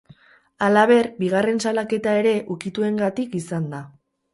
Halaber, bigarren salaketa ere ukituengatik izan da.